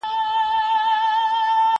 زه بايد سبزیجات تيار کړم!.